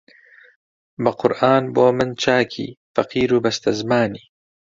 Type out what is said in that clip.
بە قورئان بۆ من چاکی فەقیر و بەستەزمانی